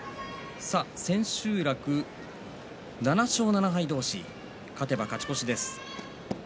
千秋楽７勝７敗同士勝てば勝ち越しです。